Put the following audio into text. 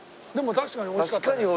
確かにおいしかった！